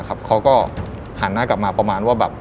เขาก็หันหน้ากลับมาประมาณว่าแบบ